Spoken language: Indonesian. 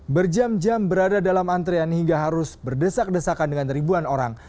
berjam jam berada dalam antrean hingga harus berdesak desakan dengan ribuan orang